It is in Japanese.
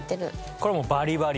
これはもうバリバリ？